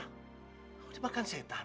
kamu dimakan setan